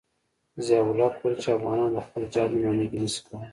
ضیاء الحق ویل چې افغانان د خپل جهاد نمايندګي نشي کولای.